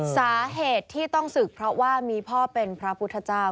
สาเหตุที่ต้องศึกเพราะว่ามีพ่อเป็นพระพุทธเจ้า